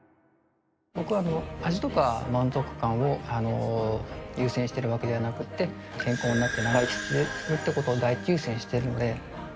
僕は味とか満足感を優先してるわけではなくて健康になって長生きするって事を第一優先してるので。